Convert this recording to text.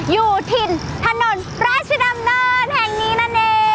อยู่ถิ่นถนนราชดำเนินแห่งนี้นั่นเอง